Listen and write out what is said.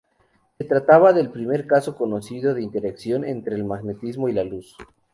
Se trataba del primer caso conocido de interacción entre el magnetismo y la luz.